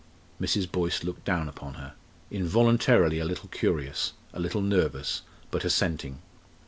Mrs. Boyce looked down upon her, involuntarily a little curious, a little nervous, but assenting.